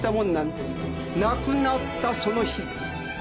亡くなったその日です。